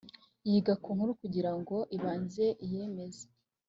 yiga ku nkuru kugira ngo ibanze iyemeze